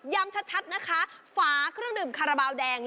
ชัดนะคะฝาเครื่องดื่มคาราบาลแดง